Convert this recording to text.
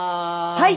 はい！